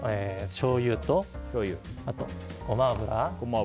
しょうゆと、ゴマ油。